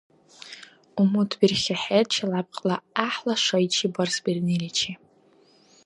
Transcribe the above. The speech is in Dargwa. УмутбирхьехӀе челябкьла гӀяхӀла шайчи барсбирниличи.